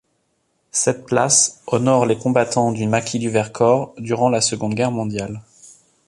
Cette place honore les combattants du maquis du Vercors durant la Seconde Guerre mondiale.